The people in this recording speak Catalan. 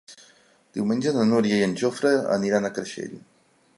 Diumenge na Núria i en Jofre aniran a Creixell.